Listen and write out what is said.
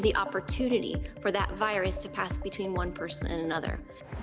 mengurangi kemungkinan virus itu untuk berjalan antara satu orang dan lainnya